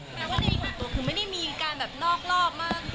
คือไม่ได้มีการรอบบ้าง